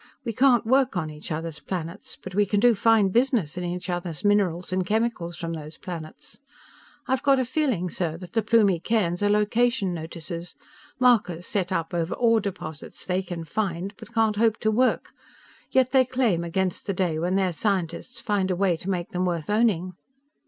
We can't work on each other's planets, but we can do fine business in each other's minerals and chemicals from those planets. I've got a feeling, sir, that the Plumie cairns are location notices; markers set up over ore deposits they can find but can't hope to work, yet they claim against the day when their scientists find a way to make them worth owning.